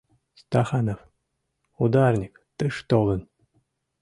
Стаханов — ударник — тыш толын